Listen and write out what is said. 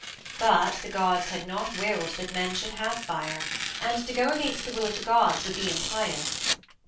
But the gods had not willed that men should have fire, and to go against the will of the gods would be impious.